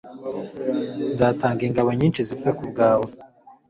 nzatanga ingabo nyinshi zipfe ku bwawe